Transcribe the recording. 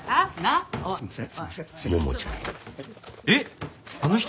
ああすいません。